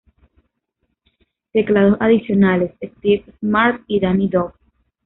Teclados adicionales: Steve Smart y Danny Dove.